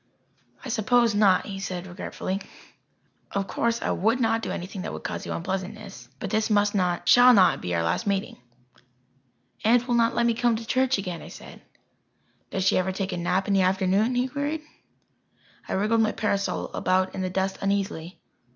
"I suppose not," he said regretfully. "Of course I would not do anything that would cause you unpleasantness. But this must not shall not be our last meeting." "Aunt will not let me come to church again," I said. "Does she ever take a nap in the afternoon?" he queried. I wriggled my parasol about in the dust uneasily.